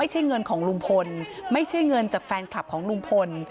เงินของลุงพลไม่ใช่เงินจากแฟนคลับของลุงพล